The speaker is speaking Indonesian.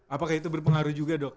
apakah itu berpengaruh juga dok